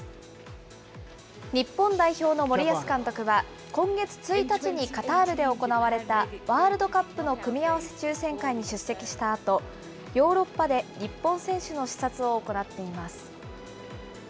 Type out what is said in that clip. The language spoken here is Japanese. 日本代表の森保監督は、今月１日にカタールで行われたワールドカップの組み合わせ抽せん会に出席したあと、ヨーロッパで日本選手の視察を行っています。